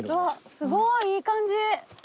すごいいい感じ。